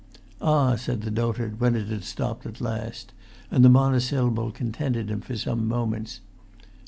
"Ah!" said the dotard, when it had stopped at last; and the monosyllable contented him for some moments.